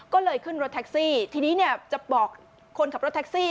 ก็เลยขึ้นรถแท็กซี่ทีนี้เนี่ยจะบอกคนขับรถแท็กซี่